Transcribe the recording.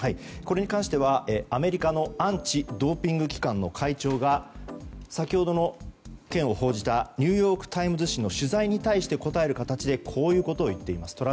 これに関してはアメリカのアンチ・ドーピング機関の会長が先ほどの件を報じたニューヨーク・タイムズ紙の取材に対して答える形でこういうことを言っています。